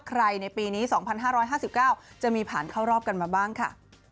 ในปีนี้๒๕๕๙จะมีผ่านเข้ารอบกันมาบ้างค่ะ